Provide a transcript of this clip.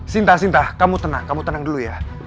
sinta sinta kamu tenang kamu tenang dulu ya